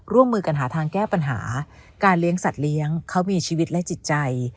ร่วมมือกันหาทางแก้ปัญหาการเลี้ยงสัตว์เลี้ยงเขามีชีวิตและจิตใจ